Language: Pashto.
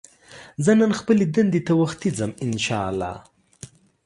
زه نن خپلې دندې ته وختي ځم ان شاءالله